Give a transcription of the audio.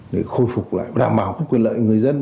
để khôi phục lại đảm bảo quyền lợi người dân